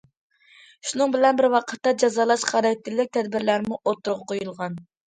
شۇنىڭ بىلەن بىر ۋاقىتتا، جازالاش خاراكتېرلىك تەدبىرلەرمۇ ئوتتۇرىغا قويۇلغان.